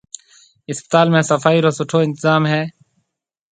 اسپتال ۾ صفائي رو سُٺو انتظام ھيََََ